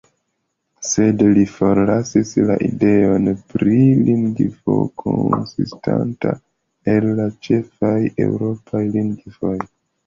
Sed li forlasis la ideon pri lingvo konsistanta el la ĉefaj eŭropaj lingvoj.